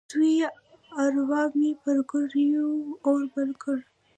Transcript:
سوي اروا مې پر ګریوان اور بل کړ